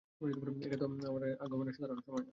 এটা তো আপনার আগমনের সাধারণ সময় নয়।